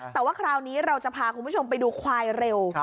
แต่ว่าคราวนี้เราจะพาคุณผู้ชมไปดูควายเร็ว